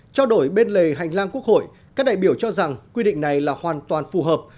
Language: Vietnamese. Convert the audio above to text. trao đổi bên lề hành lang quốc hội các đại biểu cho rằng quy định này là hoàn toàn phù hợp